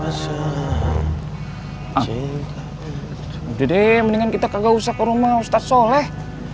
ang udah deh mendingan kita kagak usah ke rumah ustadz soleh